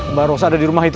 mba rosa ada dirumah itu